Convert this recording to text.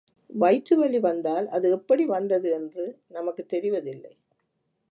வயிற்று வலி வந்தால் அது எப்படி வந்தது என்று நமக்குத் தெரிவதில்லை.